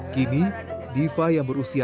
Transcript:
kini dia akan mencari penyertaan